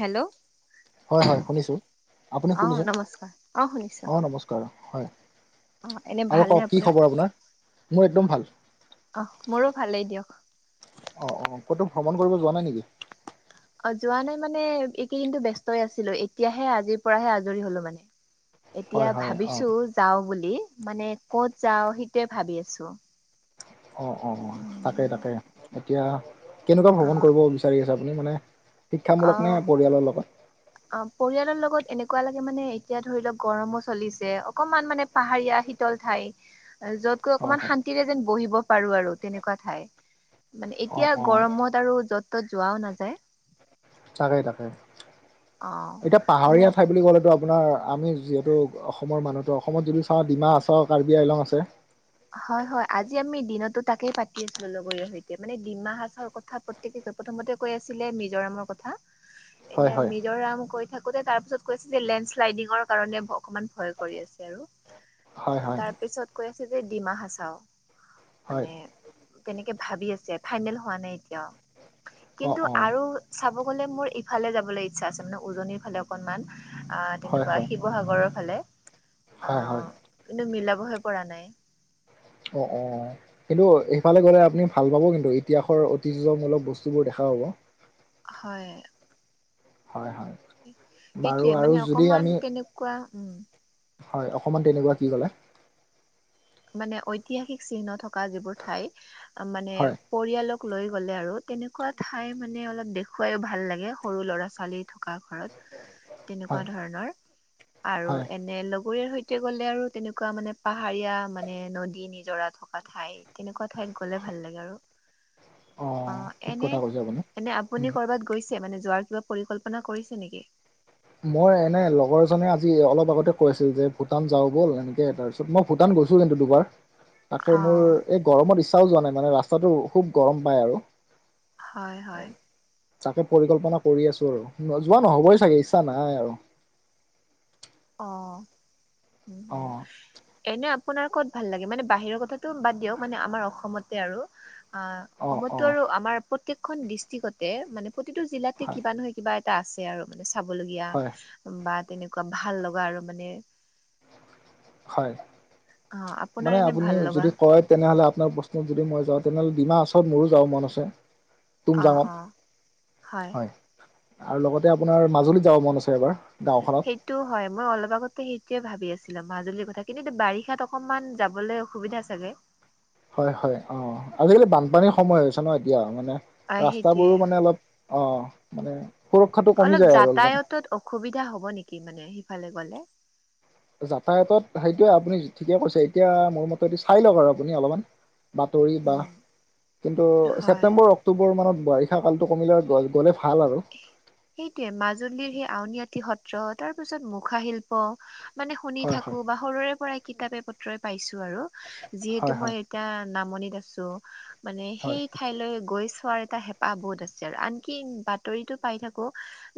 Hello. হয় হয়, শুনিছোঁ। আপুনি অ শুনিছে? নমস্কাৰ অ শুনিছো অঁ', নমস্কাৰ, হয়। অ এনে আৰু ভালনে ক'ক, কি খবৰ আপোনাৰ? মোৰ একদম ভাল। অ', মোৰো ভালেই দিয়ক। অ' অ',। ক'তো ভ্ৰমণ কৰিব যোৱা নাই নেকি?। অ', যোৱা নাই মানে এইকেইদিনো ব্যস্তই আছিলো। এতিয়াহে, আজিৰ পৰাহে আজৰি হলো মানে। এতিয়া হয় হয় অ' ভাবিছো যাও বুলি, মানে কত যাও সেইটোৱে ভাবি আছো। অঁ' অঁঁ', তাকে উম তাকে, এতিয়া কেনেকুৱা অ ভ্ৰমণ কৰিব বিচাৰি আছে আপুনি? মানে - অ শিক্ষামূলক নে, পৰিয়ালৰ লগত? অ', পৰিয়ালৰ লগত এনেকুৱা লাগে মানে, এতিয়া ধৰি লওক গৰমো চলিছে, অকনমান মানে - পাহাৰীয়া, শীতল ঠাই - যত গৈ হয় অকনমান হয় শান্তিৰে যেন বহিব পাৰো আৰু তেনেকুৱা ঠাই। মানে অ' এতিয়া অ' গৰমত আৰু য'ত ত'ত যোৱাও নাযায়। তাকে তাকে, অ এতিয়া এনে পাহাৰীয়া ঠাই বুলি ক'লেতো - আপোনাৰ আমি যিহেতু অসমৰ মানুহ'টো অসমত যদি চাওঁ ডিমা হাছাও, কাৰ্বি আইলং আছে। হয় হয়, আজি আমি দিনতো তাকেই পাতি আছিলো লগৰৰ সৈতে, মানে ডিমা হাছাওৰ কথা প- - তাকেটো প্ৰথমতে কৈ আছিলে মিজোৰামৰ কথা। হয় এতিয়া হয় মিজোৰাম কৈ - থাকোতে তাৰ পিছত কৈছিলে, লেণ্ড শ্লাইডিঙৰ কাৰণে অকমান ভয় কৰি আছে আৰু। এ, হয় হয় তাৰ পিছত কৈ আছে যে, ডিমা হাচাও হয় মানে - তেনেকে ভাবি আছে, ফাইনেল হোৱা নাই এতিয়াও। অ' কিন্তু অ' আৰু - চাব' গ'লে মোৰ ইফালে যাবলৈ ইচ্ছা আছে, মানে উজনিৰ ফালে অকনমান। আহ হয় তেনেকুৱা হয় শিৱসাগৰৰ ফালে, হয় হয় অ', কিন্তু মিলাবহে পৰা নাই। অঁ অঁ কিন্তু সিফালে গ'লে আপুনি ভাল পাব কিন্তু ইতিহাসৰ ঐতিহ্যমূলক বস্তুবোৰ দেখা পাব হয় হয় হয় বাৰু সেইটোয়ে আৰু মানে যদি অকমান আমি কেনেকুৱা উম হয় অসমত তেনেকুৱা কি ক'লে মানে ঐতিহাসিক চিহ্ন থকা যিবোৰ ঠাই মানে হয় পৰিয়ালক লৈ গ'লে আৰু তেনেকুৱা ঠাই মানে অলপ দেখুৱাই ভাল লাগে সৰু ল'ৰা ছোৱালী থকা ঘৰত হয় তেনেকুৱা ধৰণৰ আৰু হয় এনে, লগৰীয়াৰ সৈতে গ'লে আৰু তেনেকুৱা মানে, পাহাৰীয়া মানে মানে, নদী নিজৰা থকা ঠাই। তেনেকুৱা ঠাইত গ'লে ভাল লাগে আৰু। অ অঁ', ঠিক এনে কথা কৈছা। এনে আপুনি কৰবাত গৈছে, মানে যোৱাৰ কিবা পৰিকল্পনা কৰিছে নেকি?। মই মানে লগৰজনে আজি অলপ আগতে কৈ আছিল যে ভূটান যাওঁ ব'ল এনেকে তাৰপিছত মই ভূটান গৈছো কিন্তু দুবাৰ তাকে অ মোৰ এই গৰমত ইচ্ছাও যোৱা নাই মানে ৰাস্তাটো খুব গৰম পায় আৰু হয় হয় তাকে পৰিকল্পনা কৰি আছো আৰু যোৱা নহ'বই চাগে ইচ্ছা নাই আৰু অ অ উম এনে আপোনাৰ কত ভাল লাগে মানে বাহিৰৰ কথাটো বাদ দিয়ক মানে আমাৰ অসমতে আৰু অ সময়তো আৰু আমাৰ প্ৰত্যেকখন ডিষ্ট্ৰিক্টতে মানে প্ৰতিটো জিলাতে হয় কিবা নহয় কিবা এটা আছে আৰু মানে চাবলগীয়া হয় বা তেনেকুৱা ভাল লগা আৰু মানে হয় অ মানে আপোনাৰ এনে আপুনি ভাল লগা যদি কয় তেনেহলে আপোনাৰ বস্ত যদি মই যাওঁ তেনেহ'লে ডিমাহ হাছাওত মোৰো যাব মন আছে অ অ [unintelligible] হয় আৰু লগতে আপোনাৰ মাজুলীত যাব মন আছে এবাৰ গাঁওখনত সেইটো হয় মই অলপ আগতে সেইটোৱে ভাবি আছিলোঁ মাজুলীৰ কথা কিন্তু বাৰিষাত অকণমান যাবলৈ অসুবিধা চাগে হয় হয় অ আজিকালি বানপানীৰ সময় হৈছে ন এতিয়া মানে অ সেইটোয়ে ৰাস্তাবোৰো মানে অলপ অ মানে সুৰক্ষাটো কমি যায় আৰু অলপমান সুবিধা হ'ব নেকি মানে সিফালে গ'লে যাতায়তত সেইটোয়ে আপুনি ঠিকে কৈছে এতিয়া মোৰ মতে চাই লওক আৰু আপুনি অলপমান বাতৰি বা উম কিন্তু হয় ছেপ্টেম্বৰক অক্টোবৰ মানত বাৰিষা কালটো কমিলৈ গ'লে ভাল আৰু সেইটোয়ে মাজুলীৰ সেই আউনআটি সত্ৰ তাৰ পিছত মুখা শিল্প অ মানে শুনি হয় হয় থাকো বা সৰুৰে পৰাই কিতাপে পত্ৰই পাইছো আৰু হয় যিহেতু হয় মই এতিয়া নামনিত আছো মানে হয় সেই ঠাইলৈ গৈ চোৱাৰ এটা হেঁপাহ বহুত আছে আৰু আনকি বাতৰিতো পাই থাকো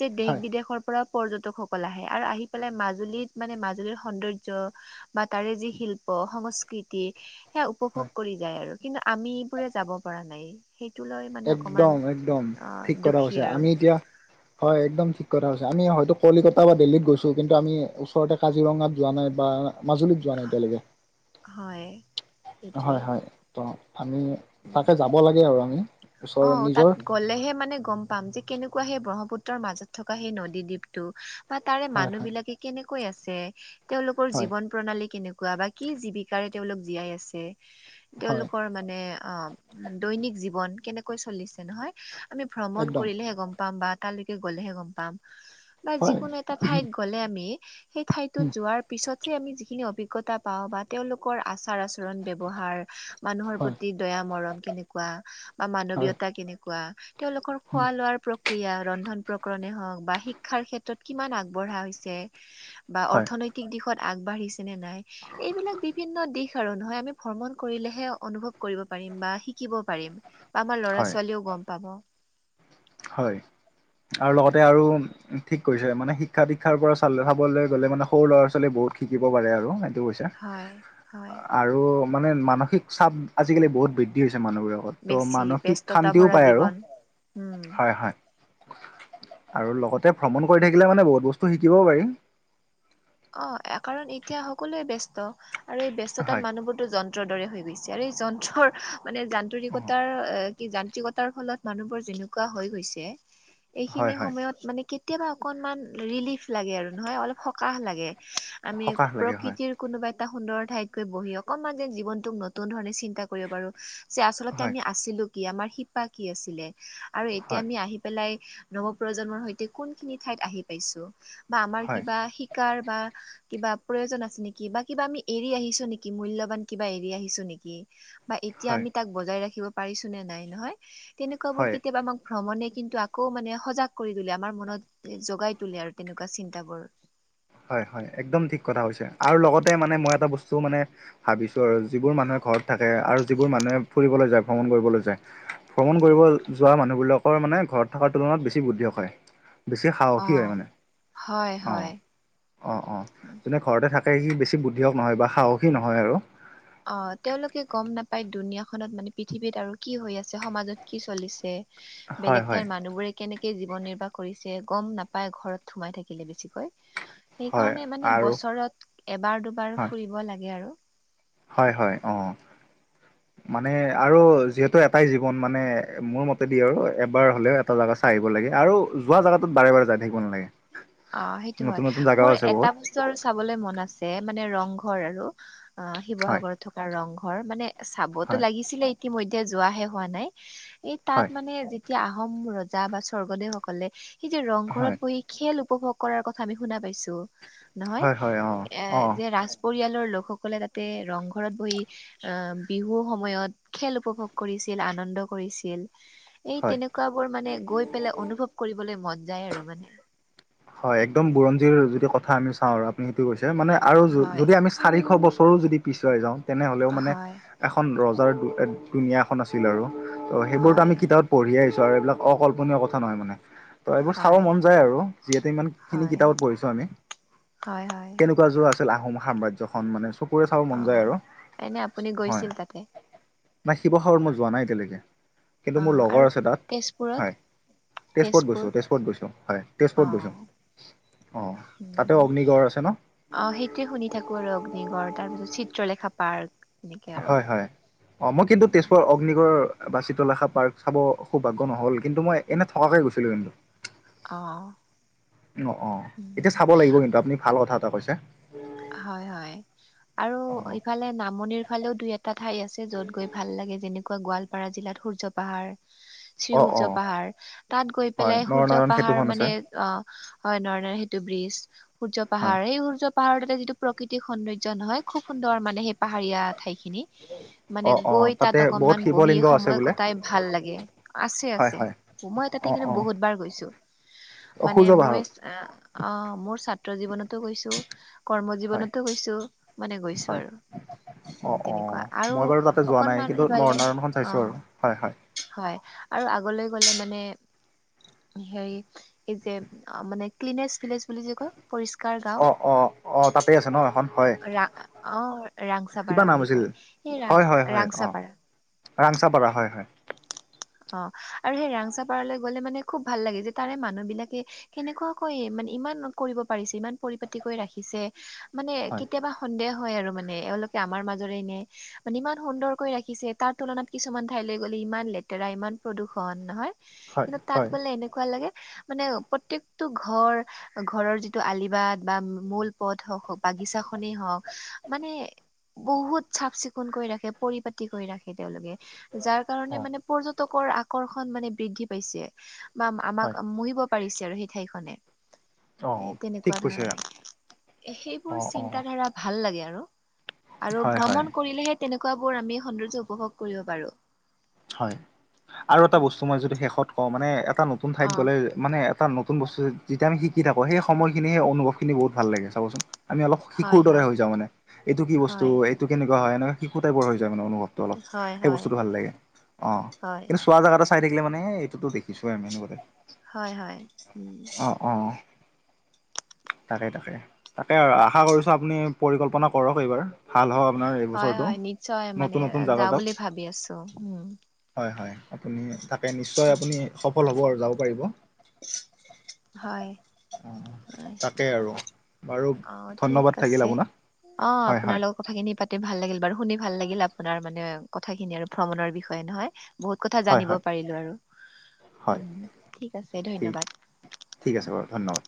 যে দেশ হয় বিদেশৰ পৰা পৰ্যটকসকল আহে আৰু আহি পেলাই মাজুলীত মানে মাজুলীৰ সৌন্দৰ্য্য বা তাৰে যি শিল্প সংস্কৃতি সেয়া হয় উপভোগ কৰি যায় আৰু কিন্তু আমি এইবোৰে যাব পৰা নাই সেইটো লৈ মানে অকমান অ দুখ তে আমি এতিয়া হয় একদম ঠিক কথা কৈছা আমি হয়তো কলিকতা বা দিল্লীত গৈছো কিন্তু আমি ওচৰতে কাজিৰঙাত যোৱা নাই বা মাজুলীত যোৱা নাই এতিয়ালেগে হয় সেইটোৱে হয় হয় ত আমি উম তাকে যাব লাগে আৰু আমি ওচৰৰ অ তাত নিজৰ গ'লেহে মানে গম পাম যে কেনেকুৱা সেই ব্ৰহ্মপুত্ৰৰ মাজত থকা সেই নদীদ্বীপটো বা তাৰে হয় মানুহ হয় বিলাকে কেনেকৈ আছে তেওঁলোকৰ হয় জীৱন প্ৰণালী কেনেকুৱা বা কি জীৱিকাৰে তেওঁলোক জীয়াই আছে হয় তেওঁলোকৰ মানে আ দৈনিক জীৱন কেনেকৈ চলিছে নহয় আমি ভ্ৰমণ একদম কৰিলেহে গম পাম বাট কালেকে গ'লেহে গম পাম বা হয় যিকোনো এটা ঠাইত গ'লে আমি সেই ঠাইটোত উম, যোৱাৰ পিছতহে আমি যিখিনি অভিজ্ঞতাত পাওঁ বা তেওঁলোকৰ আচাৰ আচৰণ ব্যৱহাৰ মানুহৰ হয় প্ৰতি দয়া মৰম কেনেকুৱা বা হয় মানৱীয়তা কেনেকুৱা তেওঁলোকৰ খোৱা উম, লোৱাৰ প্ৰ ক্ৰিয়া ৰন্ধন প্ৰকৰণে হওক বা শিক্ষাৰ ক্ষেত্ৰত কিমান আগবঢ়া হৈছে বা হয় অৰ্থনৈতিক দিশত আগবাঢ়িছে নে নাই এইবিলাক বিভিন্ন দিশ আৰু নহয় আমি ভ্ৰমণ কৰিলেহে অনুভৱ কৰিব পাৰিম বা শিকিব পাৰিম বা আমাৰ ল'ৰা হয় ছোৱালীও গম পাব হয় আৰু লগতে আৰু উম ঠিক কৈছা মানে শিক্ষা দীক্ষাৰ পৰা চালে চাবলৈ গ'লে মানে সৰু ল'ৰা ছোৱালী বহুত শিকিব পাৰে আৰু সেইটো কৈছো হয় হয় আৰু মানে মানসিক চাপ আজিকালি বহুত বৃদ্ধি হৈছে মানুহবোৰক ত বেছি মানসিক ব্যস্ততা শান্তিও ভৰা পায় আৰু জীৱন উম হয় হয় আৰু লগতে ভ্ৰমণ কৰি থাকিলে মানে বহুত বস্তু শিকিবও পাৰি অ কাৰণ এতিয়া সকলোৱে ব্যস্ত আৰু এই ব্যস্ততাত হয় মানুহবোৰতো যন্ যন্ত্ৰৰ দৰে হৈ গৈছে আৰু এই যন্ত্ৰৰ মানে অ যান্তৰিকতাৰ কি যান্ত্ৰিকতাৰ ফলত মানুহবোৰ যেনেকুৱা হৈ গৈছে হয় এইখিনি হয় সময়ত মানে কি কেতিয়াবা অকণমান ৰিলিফ লাগে আৰু নহয় অলপ সকাহ লাগে আমি সকাহ লাগে হয় প্ৰকৃতিৰ কোনোবা এটা সুন্দৰ ঠাইত গৈ বহি অকনমান যেন জীৱনটোক নতুন ধৰণে চিন্তা কৰিব পাৰো যে আচলতে হয় আমি আছিলো কি আমাৰ শিপা কি আছিলে আৰু এতিয়া হয় আমি আহি পেলাই নৱপ্ৰজন্মৰ সৈতে কোনখিনি ঠাইত আহি পাইছো বা আমাৰ হয় কিবা শিকাৰ বা কিবা প্ৰয়োজন আছে নিকি বা কিবা আমি এৰি আহিছো নিকি মূল্যবান কিবা এৰি আহিছো নিকি বা এতিয়া হয় আমি তাক বজাই ৰাখিব পাৰিছো নে নাই নহয় তেনেকুৱা বোৰ হয় কেতিয়াবা আমাক ভ্ৰমণে কিন্তু আকৌ মানে সজাগ কৰি তোলে আমাৰ মনত জগাই তোলে আৰু তেনেকুৱা চিন্তাবোৰ হয় হয় একদম ঠিক কথা কৈছে আৰু লগতে মানে মই এটা বস্তু মানে ভাবিছো আৰু যিবোৰ মানুহে ঘৰত থাকে আৰু যিবোৰ মানুহে ফুৰিবলৈ যায় ভ্ৰমণ কৰিবলৈ যায় ভ্ৰমণ কৰিব যোৱা মানুহবিলাকৰ মানে ঘৰত থকাৰ তুলনাত বেছি বুদ্ধিক হয় বেছি অ সাহসী হয় মানে হয় অঁ হয় অঁ অঁ যোনে ঘৰতে থাকে সি বেছি বুদ্ধিয়ক নহয় বা সাহসী নহয় আৰু অ তেওঁলোকে গম নাপায় দুুনীয়াখনত মানে পৃথিৱীত আৰু কি হৈ আছে সমাজত কি চলিছে হয়, বেলেগ হয়, ঠাইৰ মানুহবোৰে কেনেকে জীৱন নিৰ্বাহ কৰিছে গম নাপাই ঘৰত সোমাই থাকিলে বেছিকৈ হয় সেইকাৰণে মানে আৰু বছৰত এবাৰ দুবাৰ হয়, ফুৰিব লাগে আৰু হয় হয় অ [inaudible] মানে আৰু যিহেতু এটাই জীৱন মানে মোৰ মতেদি আৰু এবাৰ হ'লেও। এটা জাগা চাই আহিব লাগে আৰু যোৱা জাগগাত বাৰে বাৰে যাই থাকিব নালাগে। অ' সেইটো হয় নতুন নতুন জাগাও মোৰ আছে এটা বহুত বস্তু। আৰু চাবলৈ মন আছে, মানে ৰংঘৰ আৰু অ হয়, শিৱসাগৰত থকা ৰংঘৰ মানে। চাবতো হয়, লাগিছিলেই ইতিমধ্যে যোৱাহে হোৱা নাই, এই তাত হয়, মানে। এতিয়া আহোম ৰজা বা স্বৰ্গদেউসকলে সেই যে ৰংঘৰত হয়, বহি খেল। উপভোগ কৰাৰ কথা আমি শুনা পাইছো নহয় হয়, হয় অ', অ', এ' পৰিয়ালৰ লোকসকলে তাতে ৰংঘৰত বহি। আহ বিহুৰ সময়ত খেল উপভোগ কৰিছিল, আনন্দ কৰিছিল। এই হয়। তেনেকুৱ বোৰ মানে গৈ পেলাই অনুভৱ কৰিবলৈ মন যায় আৰু মানে। হয়, একদম বুৰঞ্জীৰ যদি কথা আমি চাওঁ আৰু আপুনি সেইটো কৈছে মানে আৰু হয় যদি আমি। চাৰিশ বছৰো যদি পিছুৱাই যাওঁ তেনেহলেও মানে। হয় এখন ৰজাৰ দুনীয়া এখন আছিল আৰু ত' সেইবোৰতো হয়, আমি কিতাপত। পঢ়ি আহিছো আৰু এইবিলাক অকল্পনীয় কথা নহয় মানে, ত' এইবোৰ চাব হয়, মন যায় আৰু। যিহেতু ইমান খিনি হয়, কিতাপত পঢ়িছো আমি, হয়, হয়, কেনেকুৱা যোৱা আছিল আহোম সাম্ৰাজ্যখনন মানে চকুৰে চাব মন যায় অ'। আৰু এনে আপুনি হয় গৈছিল তাতে নাই শিৱসাগৰত মই যোৱা নাই এতিয়ালৈকে। কিন্তু মোৰ অ', আৰু লগৰ আছে তাত! তেজপুৰত হয় তেজপুৰত তেজপুৰ গৈছোঁ তেজপুৰত গৈছোঁ হয়। তেজপুৰত গৈছো, অ', উম, অ'তাতে হুম। অগ্নিগড় আছে ন? অ' সেইটোৱে শুনি থাকো আৰু অগ্নিগড় তাৰ পিছত চিত্ৰলেখা পাৰ্ক। এনেকে আৰু হয় হয়, অ' মই কিন্তু উম, তেজপুৰ। পিকৰ বা চিত্ৰলেখা পাৰ্ক চাব সৌভাগ্য নহল কিন্তু মই এনে থকাকে গৈছিলো কিন্তু। অ', অ' অ' এতিয়া উম, চাব লাগিব কিন্তু, আপুনি ভাল কথা এটা কৈছে। হয় হয়। আৰু অ ইফালে নামনিৰ ফালেও দুই এটা ঠাই আছে যত গৈ ভাল লাগে যেনেকুৱা গোৱাল। গোৱালপাৰা জিলাত সূৰ্য পাহাৰ। অ অ শ্ৰীসূৰ্য পাহাৰ তাত গৈ হয় পেলাই সূৰ্য নৰনাৰায়ণ পাহাৰ সেতুখন আছে মানে আহ। হয় নহয় নহয় সেইটো ব্ৰ্ৰীজ, সূৰ্য হয় পাহাৰ এই সূৰ্য পাহাৰ। যিটো প্ৰকৃতিক সৌন্দৰ্যয় নহয়, খুব সুন্দৰ মানে সেই পাহাৰীয়া ঠাই খিনি। মানে অ অ গৈ তাত তাতে বহুত অকনমান বহি শিৱলিংগ আছে সময় বোলে কটাই ভাল লাগে, আছে হয় আছে। হয় মই তাতে অ কিন্তু অ বহুত বাৰ গৈছো। অ মানে সূৰ্য মই পাহাৰত আহ মোৰ ছাত্ৰ জীৱনতো কৈছো। কৰ্ম হয় জীৱনতো গৈছো, মানে গৈছো হয় আৰু। অ উম অ তেনেকুৱা আৰু মই বাৰু তাতে যোৱা নাই অকনমান কিন্তু সিফালে নৰনাৰায়ণখন অ। চাইছোঁ আৰু হয় হয় হয় আৰু আগলৈ গ'লে মানে। হেৰি এই যে মানে ক্লিনে ভিলজ বুলি যে কয় পৰিষ্কাৰ গা। অ' অ' তাতে আছে ন এখন? হয় ৰা অ' কিবা ৰাংচাপাৰা নাম বুলি আছিল কয়, সেই ৰা হয় হয় হয় অ ৰাংচাপাৰা। ৰাংচাপাৰা হয় হয়। অ' আৰু সেই ৰাংচা পাৰালৈ গ'লে মানে খুব ভাল লাগে যে তাৰে মানুহ বিলাকে। কেনেকুৱাকৈ মানে ইমান কৰিব পাৰিছে, ইমান পৰিপাট কৰি ৰাখিছে মানে হয় কেতিয়াবা। সন্দেহ হয় আৰু মানে এওঁলোকে আমাৰ মাজৰে নে। মানে ইমান সুন্দৰকৈ ৰাখিছে, তাৰ তুলনাত কিছুমান ঠাইলৈ গ'লে ইমান লেট। লেতেৰা, ইমান প্ৰদূ্ষন নহয় হয় কিন্তু তাত হয় গ'লে এনেকুৱা লাগে। মানে প্ৰত্যেকটো ঘৰ। ঘৰৰ যিটো আলিবাট বা, মূল পথ হওক বাগিছাখনেই হওক মানে। বহুত চাফ চিকুণ কৰি ৰাখে, পৰিপাতি কৰি ৰাখে তেওঁলোকে। যাৰ অ কাৰণে মানে পৰ্যটকৰ আকৰ্ষণ মানে বৃদ্ধি পাইছে। বা আমাক হয় মুহিব পাৰিছে আৰু সেই ঠাইখনে। অঁ এ ঠিক তেনেকুৱা কৈছে ধৰণে সেইবোৰ অঁ অঁ চিন্ত ধাৰা ভাল লাগে আৰু, আৰু হয় হয় ভ্ৰমণ কৰিলেহে তেনেকুৱা বোৰ আমি সৌন্দৰ্য উপভোগ কৰিব পাৰো। হয় আৰু এটা বস্তু মই যদি শেষত কওঁ, মানে এটা নতুন ঠাইত অ গ'লে মানে এটা নতুন বস্তু যেতিয়া আমি শিকি থাকো, সেই সময়খিনি সেই অনুভৱ খিনি বহুত ভাল লাগে চাবচোন। আমি অলপ শিশুৰ হয় দৰে হয় হৈ যাওঁ মানে, এইটো কি বস্তু হয় এইটো কেনেকুৱা হয় এনেকা শিশু টাইপৰ হৈ যায় মানে অনুভৱ। অলপ হয় সেই হয় বস্তুতটো ভাল লাগে। অঁ, হয় কিন্তু চোৱা জেগা এটা চাই থাকিলে মানে এইটো দেখিছোৱে আমি এনেকুৱা টাইপ। হয় হয় উম। অঁ তাকে তাকে তাকে আৰু আশা কৰিছো, আপুনি পৰিকল্পনা কৰক এইবাৰ। ভাল হও আপোনাৰ হয় এইবছৰটো হয় নিশ্চয় মানে নতুন নতুন জোগা যাওঁ তাত। বুলি ভাবি আছো উম হয় হয়, আপুনি তাকে নিশ্চয় আপুনি সফল হ'ব আৰু যাব পাৰিব। হয় হয়। তেই আৰু। বাৰু অঁ, ঠিক ধন্যবাদ থাকিল আছে আপোনাক অঁ হয় হয় আপোনালোক কথাখিনি পাতি ভাল লাগিল বাৰু শুনি ভাল লাগিল আপোনাৰ মানে কথা খিনি আৰু ভ্ৰমণৰ বিষয়ে নহয়। বহুত কথা হয় জানিব হয় পাৰিলো আৰু। হয় উম ঠিক আছে ঠিক ধন্যবাদ। ঠিক আছে বাৰু ধন্যবাদ